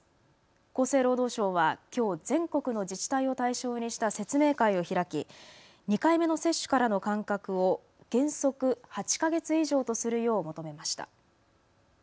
厚生労働省は、きょう全国の自治体を対象にした説明会を開き２回目の接種からの間隔を原則８か月以上とするよう求めました。